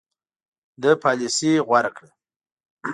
ده پالیسي غوره کړه.